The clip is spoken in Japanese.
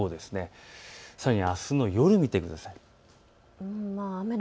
さらにあすの夜を見てください。